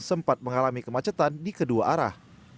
sempat mengalami kemacetan di kedua arah